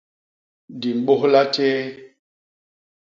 Di mbôlha tjéé.